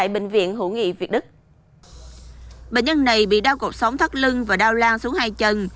bệnh nhân này bị đau cột sống thắt lưng và đau lan xuống hai chân